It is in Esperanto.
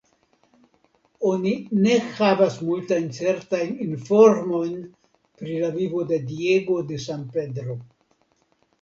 Oni ne havas multajn certajn informojn pri la vivo de Diego de San Pedro.